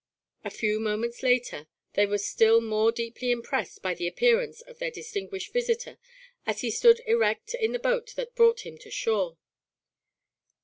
A few moments later they were still more deeply impressed by the appearance of their distinguished visitor as he stood erect in the boat that brought him to shore.